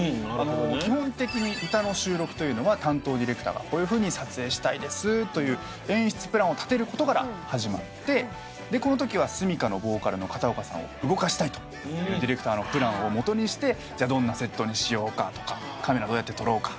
基本的に歌の収録というのは担当ディレクターがこういうふうに撮影したいですという演出プランを立てることから始まってこのときはｓｕｍｉｋａのボーカルの片岡さんを動かしたいというディレクターのプランを基にして「どんなセットにしようか」とか「カメラどうやって撮ろうか」